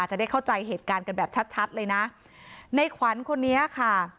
จะได้เข้าใจเหตุการณ์กันแบบชัดชัดเลยนะในขวัญคนนี้ค่ะ